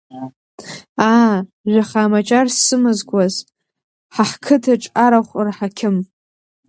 Аа, жәаха амаҷар сымазкуаз, ҳа ҳқыҭаҿ арахә рҳақьым.